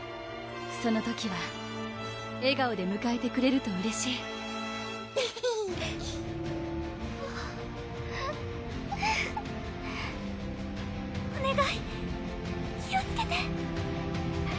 その時は笑顔でむかえてくれるとうれしいおねがい気をつけて！